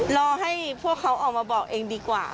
รอให้พวกเขาออกมาบอกเองดีกว่า